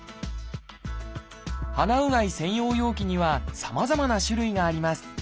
鼻うがい専用容器にはさまざまな種類があります。